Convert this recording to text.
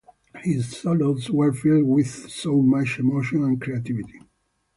His solos were filled with so much emotion and creativity.